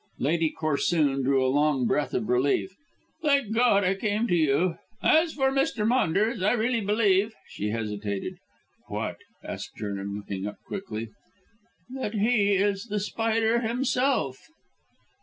Lady Corsoon drew a long breath of relief. "Thank God I came to you. As for Mr. Maunders, I really believe " She hesitated. "What?" asked Vernon looking up quickly. "That he is The Spider himself."